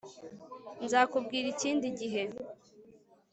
nzakubwira ikindi gihe